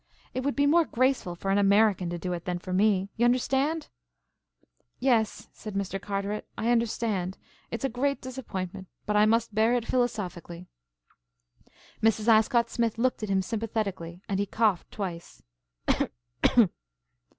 It would be more graceful for an American to do it than for me. You understand?" "Yes," said Mr. Carteret, "I understand. It's a great disappointment, but I must bear it philosophically." Mrs. Ascott Smith looked at him sympathetically, and he coughed twice.